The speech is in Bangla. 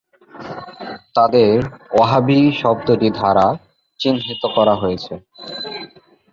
তাদের "ওয়াহাবি" শব্দটি দ্বারা চিহ্নিত করা হয়েছিল।